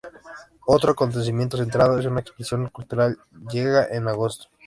Otro acontecimiento centrado en esta expresión cultural llega en agosto.